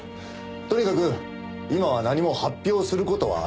とにかく今は何も発表する事はありません。